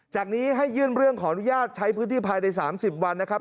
จากนี้ให้ยื่นเรื่องขออนุญาตใช้พื้นที่ภายใน๓๐วันนะครับ